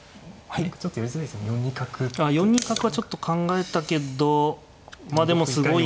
あ４二角はちょっと考えたけどまあでもすごい。